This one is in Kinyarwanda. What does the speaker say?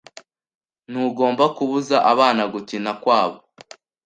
Ntugomba kubuza abana gukina kwabo.